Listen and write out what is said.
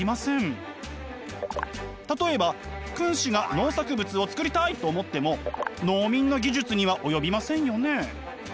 例えば君子が農作物をつくりたいと思っても農民の技術には及びませんよね。